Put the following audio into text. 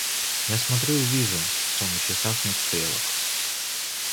Я смотрю и вижу, что на часах нет стрелок.